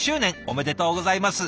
おめでとうございます。